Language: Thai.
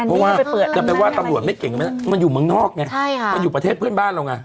เพราะว่าจะไปว่าตำรวจไม่เก่งก็ไม่ได้มันอยู่เมืองนอกไงมันอยู่ประเทศเพื่อนบ้านเราไง